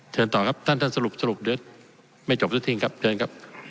เชิญต่อครับท่านท่านสรุปสรุปเดี๋ยวไม่จบหรือทิ้งครับเชิญครับ